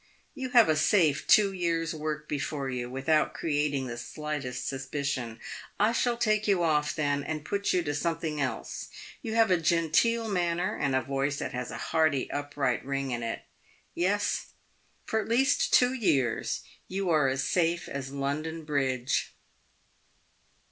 You have a safe two years' work before you, without creating the slightest suspicion. I shall take you off then, and put you to something else. You have a genteel manner, and a voice that has a hearty upright ring in it. Yes, for at least two years, you are as safe as London bridge."